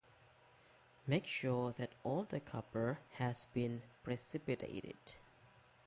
Make sure that all the copper has been precipitated.